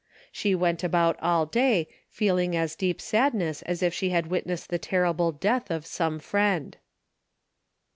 She went about all day, feeling as deep sadness as if she had witnessed the terrible death of some friend.